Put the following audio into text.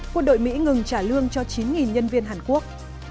quân đội mỹ ngừng trả lương cho chín nhân viên hàn quốc